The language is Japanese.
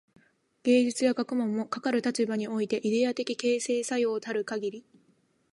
芸術や学問も、かかる立場においてイデヤ的形成作用たるかぎり、